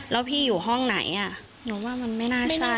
แล้วพี่อยู่ห้องไหนหนูว่ามันไม่น่าใช่